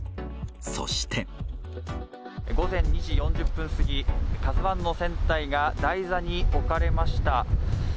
そして午前２時４０分すぎ「ＫＡＺＵⅠ」の船体が台座に置かれました。